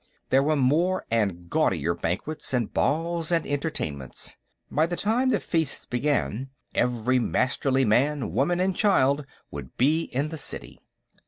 There were more and gaudier banquets and balls and entertainments. By the time the Feasts began, every Masterly man, woman and child would be in the city.